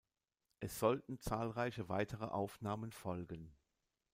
Es sollten zahlreiche weitere Aufnahmen folgen.